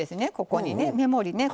ここにね目盛りね。